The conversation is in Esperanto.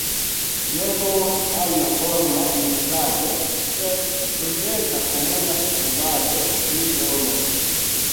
Ne nur ajna-forma miksaĵo, sed prudenta komuna strebado pri bono.